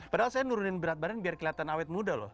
padahal saya nurunin berat badan biar kelihatan awet muda loh